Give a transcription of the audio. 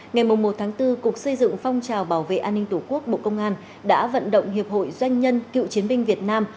ngày một bốn cục xây dựng phong trào bảo vệ an ninh tổ quốc bộ công an đã vận động hiệp hội doanh nhân cựu chiến binh việt nam